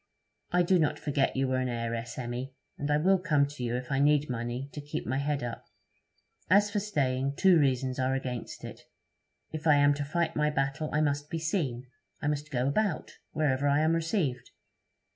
'I do not forget you were an heiress, Emmy, and I will come to you if I need money to keep my head up. As for staying, two reasons are against it. If I am to fight my battle, I must be seen; I must go about wherever I am received.